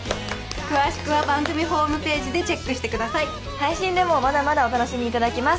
配信でもまだまだお楽しみいただけます